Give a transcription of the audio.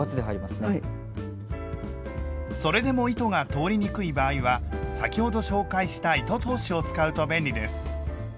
それでも糸が通りにくい場合は先ほど紹介した「糸通し」を使うと便利です。